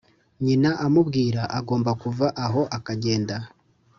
nyina amubwira agomba kuva aho akagenda